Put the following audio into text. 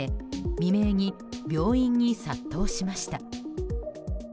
未明に病院に殺到しました。